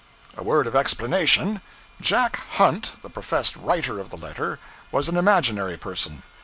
A word of explanation. 'Jack Hunt,' the professed writer of the letter, was an imaginary person.